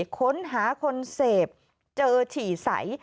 ค้นหาคนเสพเจอฉี่ใส